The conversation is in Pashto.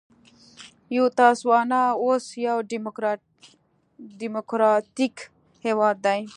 بوتسوانا اوس یو ډیموکراټیک هېواد دی.